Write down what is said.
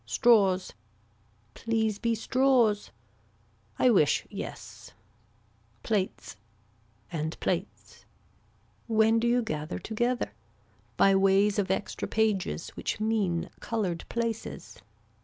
Straws. Please be straws. I wish yes. Plates. And plates. When do you gather together. By ways of extra pages which mean colored places.